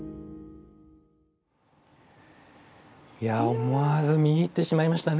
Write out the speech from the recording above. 思わず見入ってしまいましたね。